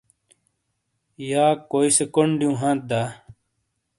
یا کوئی کونڈ دِیوں ہانت دا؟